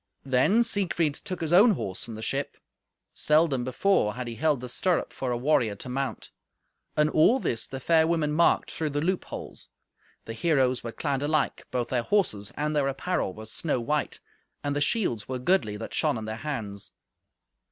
Then Siegfried took his own horse from the ship. Seldom before had he held the stirrup for a warrior to mount. And all this the fair women marked through the loopholes. The heroes were clad alike; both their horses and their apparel were snow white, and the shields were goodly that shone in their hands.